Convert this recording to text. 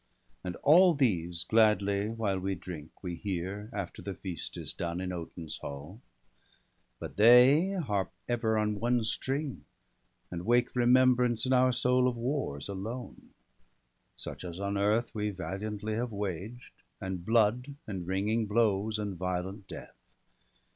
And all these gladly, while we drink, we hear. After the feast is done, in Odin's hall ; But they harp ever on one string, and wake BALDER DEAD. 171 Remembrance in our soul of wars alone, Such as on earth we valiantly have waged, And blood, and ringing blows, and violent death.